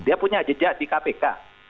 dia punya jejak di kpk